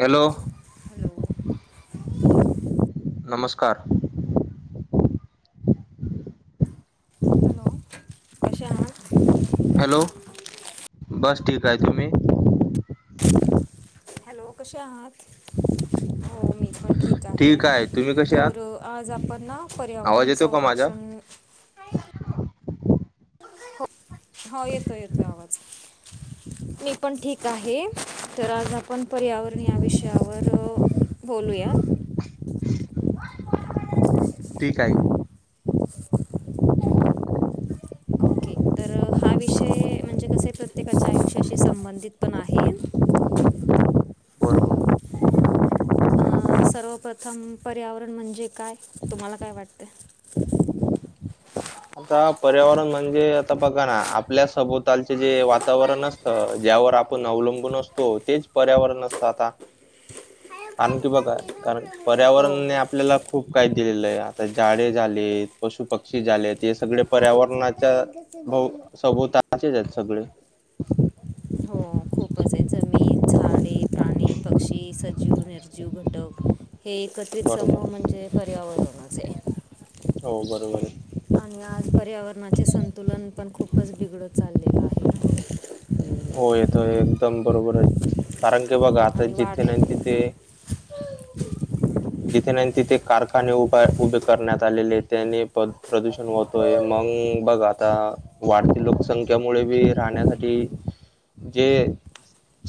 Hello hello. नमस्कार. Hello कशसे आ. हॅलो बस ठीक आहे तुम्ही. हॅलो कसे आहात हो मी. पण ठीक आहे तुम्ही कसे आहात तर आज आपण ना आवाज पर्यावरण येतो का माझा संरक्षण हो येतोय येतोय आवाज. ते पण ठीक आहे तर आज आपण पर्यावरण या विषयावर बोलूया? ठीक आहे. ओके तर हा विषय म्हणजे कसे प्रत्येकाच्या आयुष्याशी संबंधित पण आहे. बरोबर अ सर्वप्रथम पर्यावरण म्हणजे काय तुम्हाला काय वाटत? आता पर्यावरण म्हणजे आता बघा ना आपल्या सभोवतालचे जे वातावरण असते. ज्यावर आपण अवलंबून असतो तेच पर्यावरण असतं आता. ह. कारण की बघा कारण हो पर्यावरणने हो आपल्याला खूप काही दिलेलं आहे आता झाडे झालेतं पशु पक्षी झालेतं. ते सगळे मग गाडीचं पर्यावरणाच्या टायर कसं भव झालं सभूताचेच आहेत सगळे. हो खूपच आहे, जमीन, झाडे, प्राणी, पक्षी, सजीव, निर्जीव घटक हे एकत्रित समूह बरोबर म्हणजे पर्यावरणच आहे. हो बरोबर आहे. आणि आज पर्यावरणाचे संतुलन पण खूपच बिघडत चाललेलं आहे ना. हो येतोय, एकदम बरोबर आहे, कारण की बघा आता आणि वाढ जिथे नाही तिथे [unintelligible] जिथे ना तिथे कारखाने उभा उभे करण्यात आलेले, त्याने प प्रदूषण होत होय मग बघ आता, वाढती लोकसंख्यामुळे बी राहण्यासाठी जे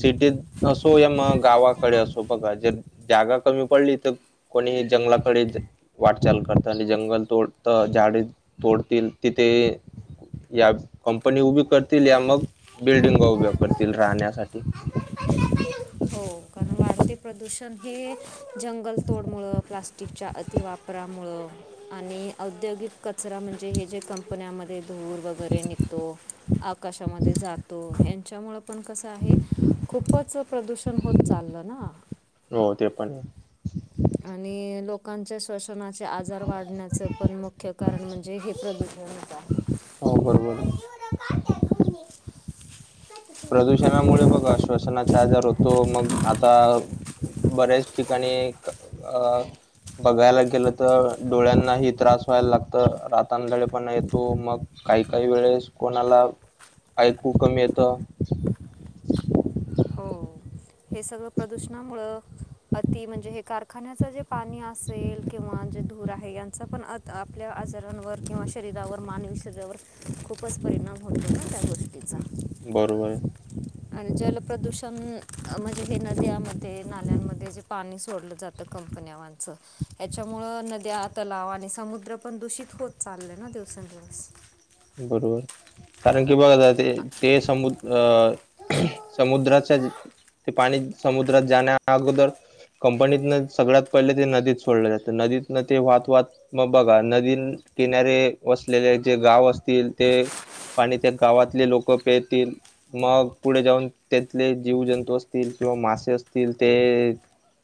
सिटीत असो या मग थांब दुसरं गावाकडे असो काहीतरी बघा जर म्हणतो. जागा कमी पडली तर कोणीही जंगलाकडे वाटचाल करत आणि जंगल तोडत झाडे तोडतील तिथे या कंपनी उभी करतील या मग, बिल्डिंग उभ्या करतील राहण्यासाठी. हो कारण वाढते प्रदूषण हे, जंगल तोडमुळं प्लास्टिक च्या अतिवापरामुळं आणि औद्योगिक कचरा म्हणजे हे जे कंपन्यामध्ये धूर वगैरे निघतो, आकाशामध्ये जातो ह्यांच्यामुळं पण कसं आहे, खूपच प्रदूषण होत चाललं ना. हो ते पण आहे. आणि लोकांच्या श्वसनाचे आजार वाढण्याचं पण मुख्य कारण म्हणजे हे प्रदू [unintelligible] आहे. हो बरोबर. प्रदूषणामुळे बघा श्वसनाचा आजार होतो, मग आता बऱ्याच ठिकाणी अ बघायला गेलं तर, डोळ्यांनाही त्रास व्हायला लागतं, रातआंधळेपणा येतो मग काही काही वेळेस कोणाला ऐकु कमी येतं हो [inaudible] हे सगळं प्रदूषणामुळं अति म्हणजे हे कारखान्याचं जे पाणी असेल किंवा जे धूर आहे यांचा पण अ आपल्या आजारांवर किंवा शरीरावर मानवी शरीरावर- खूपच परिणाम होतो ना त्या गो तिचा, बरोबर आणि जल प्रदूषण म्हणजे हे नद्यामध्ये, नाल्यांमध्ये जे पाणी सोडलं जातं कंपन्यावाच ह्याच्यामुळं नद्या, तलाव आणि समुद्र पण दूषित होत चालले ना दिवसेंदिवस. बरोबर. कारण की बघा ते ते समु अ समुद्राच्या ते पाणी समुद्रात जाण्याअगोदर कंपनीतन सगळ्यात पहिले ते नदीत सोडलं जातं, नदीतन ते वाहत वाहत मग बघा, नदी किनारे वसलेले जे गाव असतील ते पाणी ते गावातले लोकं पेतील मग पुढे जाऊन त्यातले जीवजंतू असतील किंवा मासे असतील ते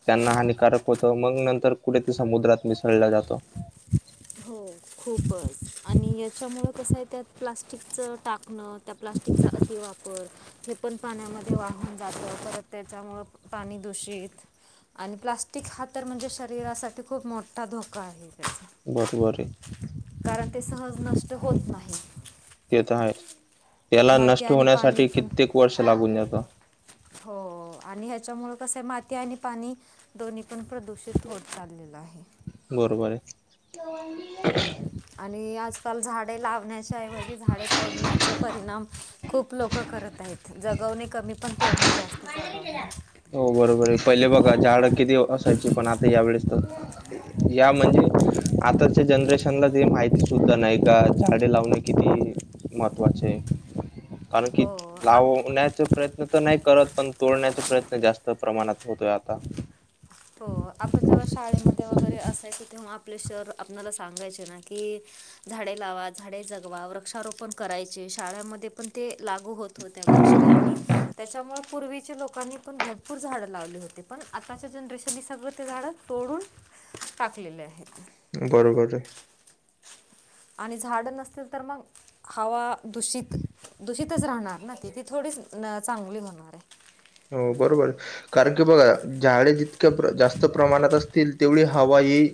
त्यांना हानिकारक होतं, मग नंतर पुढे ते समुद्रात मिसळलं जातो. हो. खूपच, आणि याच्यामुळं कसं आहे त्यात प्लास्टिकचं टाकणं त्या प्लास्टिकचा अति वापर, हे पण पाण्यामध्ये वाहून जातं परत त्याच्यामुळं पाणी दूषित आणि प्लास्टिक हा तर म्हणजे शरीरासाठी खूप मोठा धोका आहे. [unintelligible] बरोबर आहे. कारण ते सहज नष्ट होत नाही. तेे तर आहेच, त्याला माती नष्ट आणि पाणी होण्यासाठी पण कित्येक वर्ष लागून जातं. हो आणि ह्याच्यामुळे कसं आहे माती आणि पाणी दोन्ही पण प्रदूषित होत चाललेलं आहे. बरोबर आहे. तर आणि आज. झाडे लावण्याच्याऐवजी झाडे तोडण्याचा परिणाम खूप लोकं करत आहेत. जगवणे कमी पण तोडणे जास्त चालू आहे. हो बरोबर आहे पहिले बघा झाडं किती असायची पण आता यावेळेस तर या म्हणजे आताच्या जनरेशनला माहिती सुद्धा नाही का झाडे लावणे किती. महत्वाचे आहे कारण की हो आप लावण्याचा प्रयत्न. ते तर नाही करत पण तोडण्याचे प्रयत्न जास्त प्रमाणात होतोय आता हो आपण जेव्हा शाळेमध्ये वगैरे असायच तेव्हा आपले शहर आपल्याला सांगायचे ना की झाडे लावा झाडे जगवा वृक्षारोपण करायचे शाळेमध्ये पण ते लागू होत हो त्या गोष्टी आणि त्याच्यामुळे पूर्वीचे लोक. लोकांनी पण भरपूर झाड लावले होते पण आताच्या जनरेशन. तर मी सगळं ते झाडं तोडून टाकलेले आहेत. बरं बरं. आणि झाड नसतील तर मग हवा दूषित दूषितच राहणार ना ती ती थोडीच चांगली होणार आहे. हो बरोबर कारण की बघा झाडे जितक्या जास्त प्रमाणात असतील. तेवढी हवाई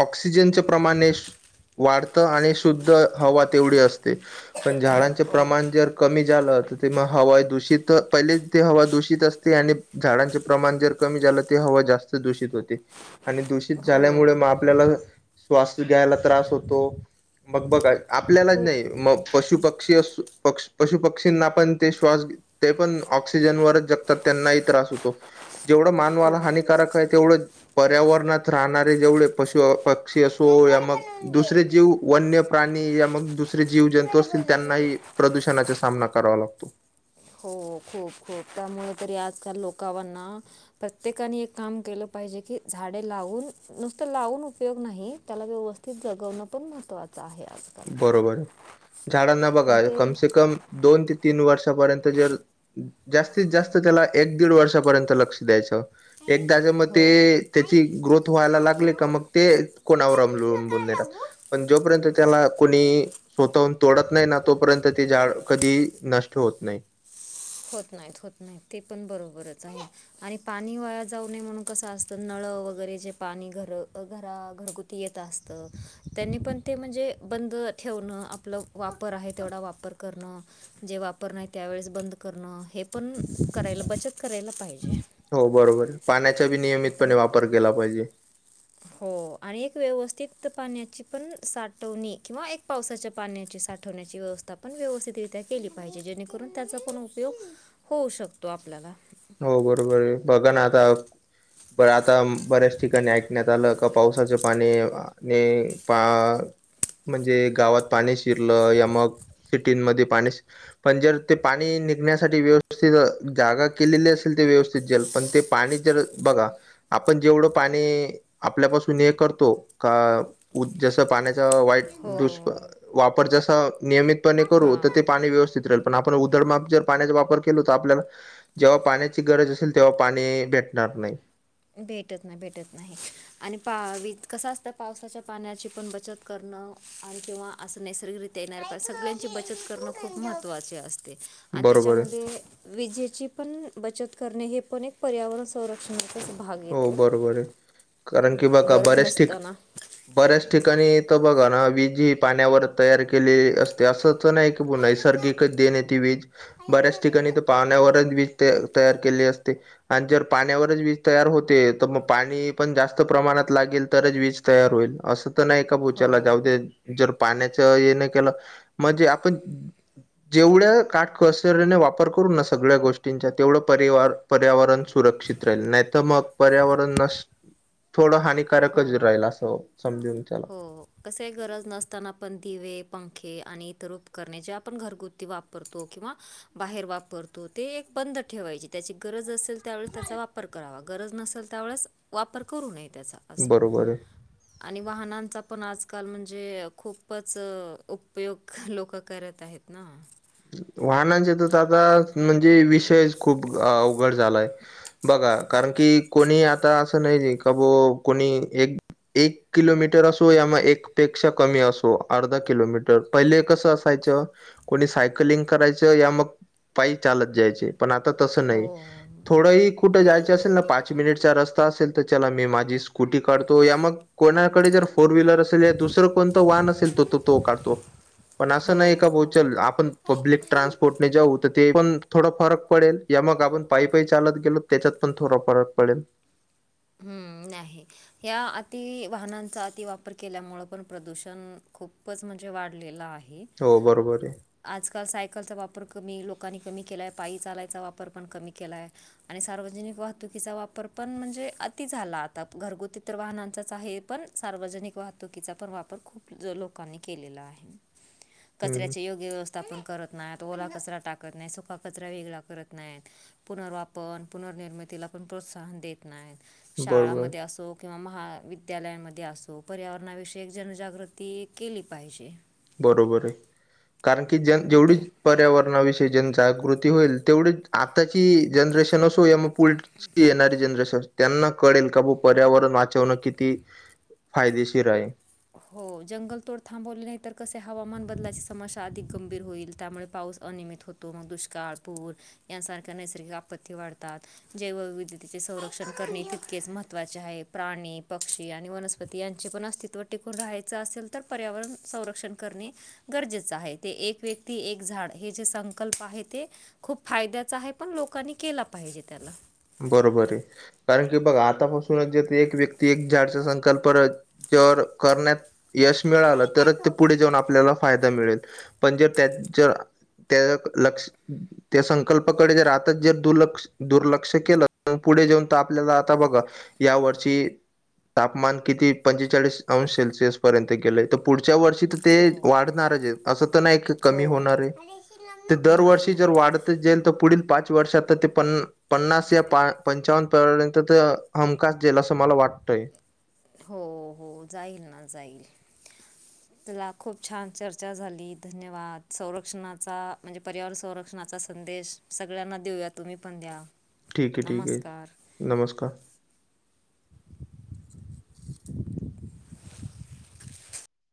ऑक्सिजनच्या प्रमाणे. वाढतं आणि शुद्ध हवा तेवढी असते. पण झाडांचे हो प्रमाण जर कमी झालं तर तेव हवा दूषित पहिले ते हवा. दूषित असते आणि झाडांचे प्रमाण जर कमी झालं तर हवा जास्त दूषित होते. आणि दूषित झाल्यामुळे हो मग आपल्याला श्वास घ्यायला त्रास होतो. मग बघ आपल्यालाच खूप नाही मग पशु पक्षी असो. पक्ष पशु पक्षींना पण ते श्वास ते पण ऑक्सिजनवर. जगतात त्यांनाही त्रास होतो जेवढं मानवाला खूप हानिकारक आहे तेवढं. पर्यावरणात राहणारे जेवढे पशु पक्षी असो या घर मग. बनवून दे दुसरे जीव वन्य प्राणी या मग दुसरे जीव जंतू घर असतील बनवून दे त्यांनाही प्रदूषणाचा सामना करावा लागतो. हो खूप खूप त्यामुळे तरी आजकाल लोकवरना. प्रत्येकाने एक काम केलं पाहिजे की झाडे लावून नुसतं लावून उपयोग नाही त्याला व्यवस्थित जगवणं पण महत्त्वाचं. चहे. बरोबर आहे झाडांना बघा ते कमसे कम दोन ते तीन वर्षापर्यंत जर जास्तीत जास्त त्याला एक दीड वर्षापर्यंत लक्ष द्यायचं. आई एकदा ज म ते हो आई त्याची ग्रोथ दुसरं व्हायला काय आहे, लागली का राहू मग ते कोणावर हा दुसरं काय अमलुबूनात लावू पण जोपर्यंत त्याला कोणी हे स्वतःहून तोडत नाही ना दुसरं तोपर्यंत ते जाड कधी नष्ट होत नाही. होत नाहीत होत नाही ते पण बरोबरच आहे. आणि पाणी वाया जाऊ नये म्हणून कसं असतं नळं वगैरे जे पाणी घर घरा घरगुती येत असतं त्यांनी पण ते म्हणजे बंद ठेवणं आपलं वापर आहे तेवढा वापर करण जे वापर नाही त्यावेेळेस बंद करणं हे पण करायला बचत करायला पाहिजे. हो बरोबर पाण्याचा बी पण नियमितपणे वापर केला पाहिजे. हो आणि एक व्यवस्थित पाण्याची पण साठवणी किंवा एक पावसाच्या पाण्याची साठ पाठवण्याची व्यवस्था पण व्यवस्थितरित्या केली पाहिजे जेणेकरून त्याचा पण उपयोग होऊ शकतो आपल्याला हो बरोबर बघा ना आता आता बऱ्याच ठिकाणी ऐकण्यात आलं. पावसाचे पाणी आणि पा म्हणजे गावात पाणी शिरलं या मग सिटीमध्ये पाणी पण जर ते पाणी निघण्यासाठी व्यवस्थित जागा केलेले असेल ते व्यवस्थित जल पण ते पाणी जल बघा. आपण जेवढं पाणी आपल्यापासून हे करतो का? जसं पाण्याचा वाईट हो दुष्प वापर जसा. नियमितपणे करू तर ते हां पाणी व्यवस्थित राहील पण आपण उधडमाप जर पाण्याचा वापर केलो तर आपल्याला जेव्हा पाण्याची गरज असेल तेव्हा पाणी भेटणार नाही. भेटत नाही भेटत नाही आणि पा कसं असतं पावसाच्या पाण्याची पण बचत. करणं आणि किंवा असं नैसर्गिकरित्या येणार सगळ्यांची बचत करणं खूप महत्त्वाचे असते. आणि बरोबर आहे त्याच्यामध्ये विजेची पण बचत करणे हे पण एक पर्यावरण संरक्षण हो बरोबर आहे कारण की बघा गरज बऱ्याच ठिक नसताना बऱ्याच ठिकाणी बघा ना वीज ही पाण्यावर तयार केली असते. ते असंच नाही की ना नैसर्गिकच देण येते वीज आई ना बऱ्याच ठिकाणी गेलं तर पाहण्यावरच वीज तयार केले असते आणि जर पाण्यावरच वि तयार होते तर मग पाणी पण जास्त प्रमाणात लागेल तरच वीज तयार होईल अस. नाही का बुचाला जाऊ हो जर पाण्याच हे नाही केलं म्हणजे आपण जेवढ्या काटकसरने वापर करू ना सगळ्या गोष्टींचा तेवढा परिवार पर्यावरण सुरक्षित राहिल नाही. तर मग पर्यावरण नस थोडं हो हानिकारकच राहील असं समजून त्याला कस गरज नसताना आपण दिवे पंखे आणि इतर उपकरणे जे आपण घरगुती वाप तो किंवा बाहेर वापरतो ते एक बंद ठेवायची त्याची गरज असेल त्या वेळेस त्याचा वापर करावा गरज नसल त्याळेस वापर करू नये त्याचा बरोबर आहे आणि वाहनांचा पण आजकाल म्हणजे खूपच उपयोग लोक करत आहेत. ना. वाहनांचे तर आता म्हणजे वि विषय खूप अवघड झालाय बघा कारण की कोणी आता असं नाही ज का बॉ कोणी एक एक किलोमीटर असू या म एक. पेक्षा कमी असो अर्धा किलोमीटर पहिले कस असायच कोणी लिंक करायच या मग पाय चालत जायचे पण आता तस नाही. हो थोडंही कुठं आई जायचं ही असेल ना इथे पाच कसं मिनिटचा रस्ता असेल तर चला मी माझी स्कूटी काढतो या मग कोणाकडे जर फोर व्हीलर बसू असेल या दुसरं कोणतं वाहन असेल तो त तो काढतो. पण असं नाही हो, का भो हो. चल आपण पब्लिक ट्रान्सपोर्टने जाऊ तर ते पण थोडा फरक पडेल या मग आपण पाय पाई चालत गेलो. त्याच्यात पण थोडा फरक पडेल. हम्म नाही. ह्या अति वाहनांचा अति वापर केल्यामुळेळं पण प्रदूषण खूपच म्हणजे वाढलेलं आहे. हो बरोबर आहे. आजकाल सायकलचा वापर कमी लोकांनी कमी केलाय पायी चालायचा वापर पण कमी केला आहे. आणि सार्वजनिक वाहतुकीचा वापर पण म्हणजे अ ति झाला आता घरगुती तर वाहनांचाच आहे पण सार्वजनिक वाहतुकीचा पण वापर खूप ज लोकांनी केलेला आहे हम्म कचऱ्याच्या योग्य व्यवस्थ थापण करत नाहीत ओला कचरा टाकत नाही सुका कचरा वेगळा करत नाहीत. पुनर्वापन पुनर्निर्मितीला पण प्रोत्साहन देत नाहीत बरोबर शाळामध्ये असो. किंवा महाविद्यालयांमध्ये असो पर्यावरणाविषयीक जनजागृती केली पाहिजे. बरोबर आहे कारण की ज जेवढी विद्यार्थी पर्यावरणाविषयी जन जाागृती होईल तेवढीच आत्ताची जनरेशन असो या मग पुढची येणारी जनरेशन असो. त्यांना कळेल का भू पर्यावरण वाचवणं किती फायदेशीर आहे. हो जंगल तोड थांबवली नाही तर कसे हवामान बदलाची समस्या अधिक गंभीर होईल त्यामुळे पाऊस अनियमित होतो मग दुष्काळपूर यांसारख्या नैसर्गिक आपत्ती वाढतात जैवविद्यतेचे संरक्षण करणे तितकेच महत्त्वाचे आहे. प्राणी पक्षी आणि वनस्पती यांचे पण अस्तित्व टिकून राहायचं असेल तर पर्यावरण संरक्षण करणे गरजेच आहे ते एक व्यक् ती एक झाड हे जे संकल्प आहे ते. खूप फायद्याच आहे पण लोकांनी केला पाहिजे त्याला बरोबर आहे कारण की बघा आतापासूनच एक व्यक्ती एक झाडच संकल्पना. प्रकल्प जर करण्यात यश मिळालं तरच ते पुढे जाऊन आपल्याला. फायदा मिळेल पण जर त्या जर त्या लक्ष त्या संकल्पाकडे जर आताच जर दुर्लक्ष दुर्लक्ष. लक्ष केलं पुढे जाऊन आपल्याला आता बघा या वर्ष तापमान किती पंचेचाळीस अंश सेल्सिअस पर्यंत गेलंय तर पुढच्या वर्षी ते हो, वाढणारच आहे अस तर नाही हो. कमी होणार आहे ते नाही, दरवर्षी जर नाही. वाढतच जाईल. पुढील पाच वर्षात ते पण पन्नास या पंचावन्न पपर्यंत हमखास जाईल असं मला वाटतंय. हो हो जाईल ना जाईल. चला खूप छान चर्चा झाली धन्यवाद संरक्षणाचा म्हणजे पर्यावरण संरक्षणाचा संदेश. सगळ्यांना देऊया तुम्ही पण द्या ठीक आहे ठीक आहे नमस्कार नमस्कार